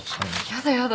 やだやだ。